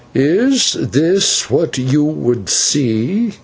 "Is this what you would see?"